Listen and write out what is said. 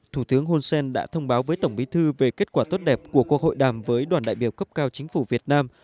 thủ tướng hun sen đã thông báo với tổng bí thư về kết quả tốt đẹp của cuộc hội đàm với đoàn đại biểu cấp cao chính phủ việt nam